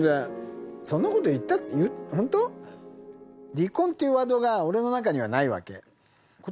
離婚っていうワードが、俺の中にはないわけ。